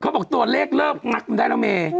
บอกตัวเลขเลิกงักมันได้แล้วเม